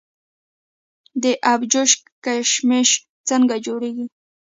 د ابجوش کشمش څنګه جوړیږي؟